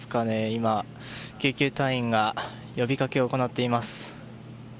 今、救急隊員が呼びかけを行っています。